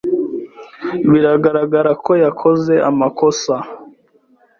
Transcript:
Biragaragara ko yakoze amakosa.